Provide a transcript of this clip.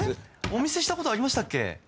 お見せしたことありましたっけ？